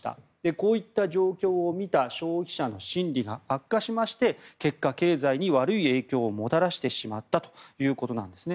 こういった状況を見た消費者の心理が悪化しまして結果、経済に悪い影響をもたらしてしまったということなんですね。